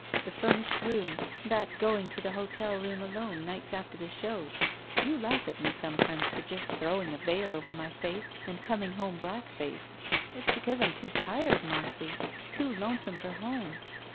The furnished room. That going to the hotel room, alone, nights after the show. You laugh at me sometimes for just throwing a veil over my face and coming home black face. It's because I'm too tired, Marcy. Too lonesome for home.